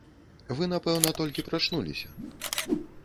Вы, верно, только проснулись.